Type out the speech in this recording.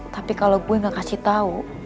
tapi kalau gue gak kasih tau